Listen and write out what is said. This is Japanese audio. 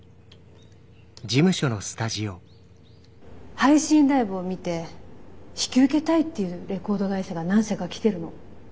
配信ライブを見て引き受けたいっていうレコード会社が何社か来てるの。